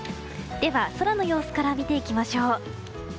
では、空の様子から見ていきましょう。